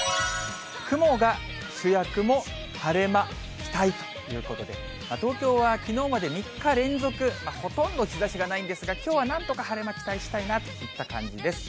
雲が主役も晴れ間期待ということで、東京はきのうまで３日連続、ほとんど日ざしがないんですが、きょうはなんとか晴れ間、期待したいなといった感じです。